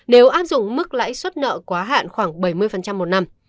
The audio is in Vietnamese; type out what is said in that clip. nếu áp dụng mức lãi suất nợ quá hạn khoảng bảy mươi một năm